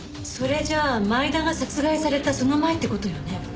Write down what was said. それじゃあ前田が殺害されたその前って事よね？